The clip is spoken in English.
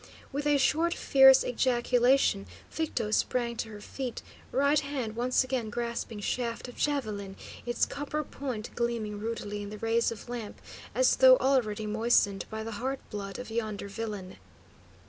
With a short, fierce ejaculation, Victo sprang to her feet, right hand once again grasping shaft of javelin, its copper point gleaming ruddily in the rays of lamp as though already moistened by the heart blood of yonder villain.